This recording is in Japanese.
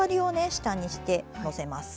下にしてのせます。